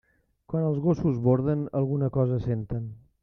Quan els gossos borden alguna cosa senten.